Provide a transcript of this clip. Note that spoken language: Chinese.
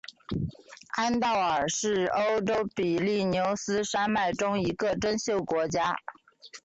安道尔是欧洲比利牛斯山脉中的一个袖珍国家。